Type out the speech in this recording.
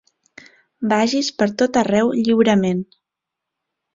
Vagis per tot arreu lliurement.